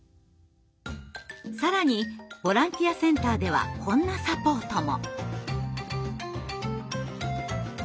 更にボランティアセンターではこんなサポートも。